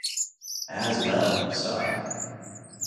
As well, Star!